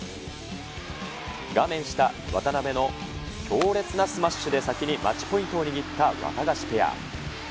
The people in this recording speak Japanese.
画面下、渡辺の強烈なスマッシュで先にマッチポイントを握ったワタガシペア。